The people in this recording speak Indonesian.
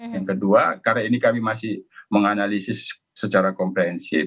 yang kedua karena ini kami masih menganalisis secara komprehensif